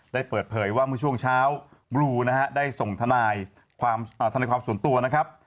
ได้เปิดเผยว่าเมื่อช่วงเช้าบลูนะฮะได้ส่งทนายความทนายความส่วนตัวนะครับ